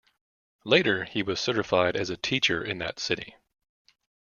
Later he was certified as a teacher in that city.